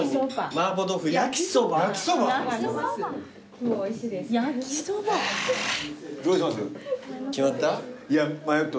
麻婆豆腐焼きそばいって。